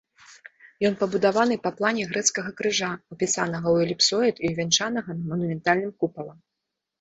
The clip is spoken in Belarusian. Ён пабудаваны па плане грэцкага крыжа, упісанага ў эліпсоід і увянчанага манументальным купалам.